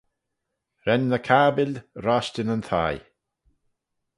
Ren ny cabbil roshtyn yn thie.